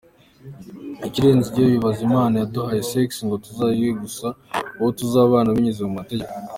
Ikirenze ibyo, bibabaza imana yaduhaye sex ngo tuzayihe gusa uwo tuzabana binyuze mu mategeko.